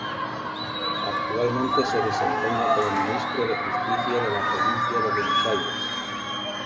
Actualmente se desempeña como Ministro de Justicia de la Provincia de Buenos Aires.